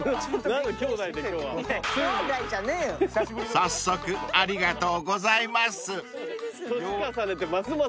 ［早速ありがとうございます］